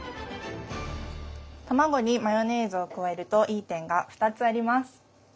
卵にマヨネーズを加えるといい点が２つあります。